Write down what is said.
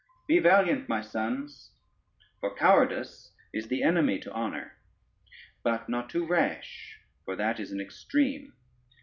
Be valiant, my sons, for cowardice is the enemy to honor; but not too rash, for that is an extreme.